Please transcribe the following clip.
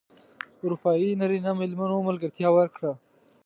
اروپايي نرینه مېلمنو ملګرتیا وکړه.